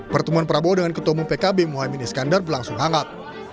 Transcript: pertemuan prabowo dengan ketua umum pkb mohaimin iskandar berlangsung hangat